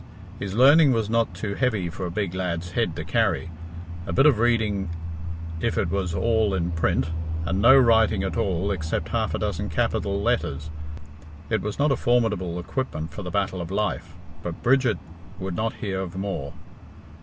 His learning was not too heavy for a big lad's head to carry a bit of reading if it was all in print, and no writing at all except half a dozen capital letters. It was not a formidable equipment for the battle of life, but Bridget would not hear of more.